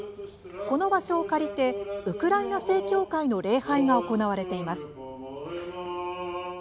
この場所を借りてウクライナ正教会の礼拝が行われています。